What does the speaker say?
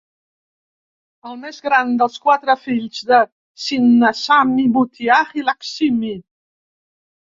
El més gran dels quatre fills de Sinnasamy Muttiah i Lakshmi.